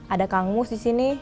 ada kang mus disini